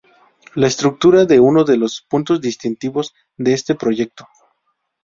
La estructura es uno de los puntos distintivos de este proyecto.